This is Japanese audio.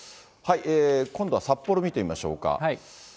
今度は札幌見てみましょうか。